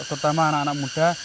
terutama anak anak muda